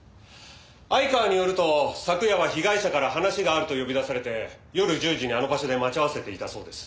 相川によると昨夜は被害者から話があると呼び出されて夜１０時にあの場所で待ち合わせていたそうです。